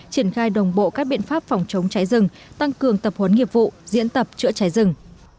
triển khai đồng bộ các biện pháp phòng chống cháy rừng tăng cường tập huấn nghiệp vụ diễn tập chữa cháy rừng